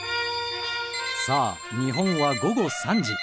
さあ日本は午後３時。